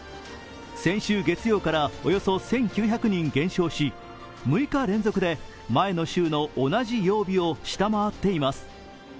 先週月曜からおよそ１９００人減少し６日連続で前の週の同じ曜日を下回っています。